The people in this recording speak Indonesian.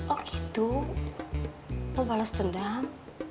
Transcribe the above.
oh itu mau balas dendam